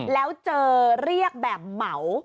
แล้วเจอเรียกแบบเหมา